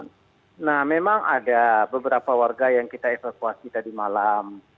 nah memang ada beberapa warga yang kita evakuasi tadi malam